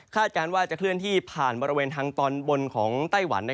การว่าจะเคลื่อนที่ผ่านบริเวณทางตอนบนของไต้หวัน